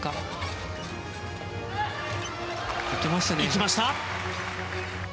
いきました！